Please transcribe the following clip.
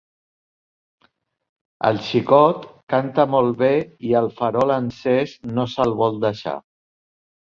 El xicot canta molt bé i el farol encés no se'l vol deixar.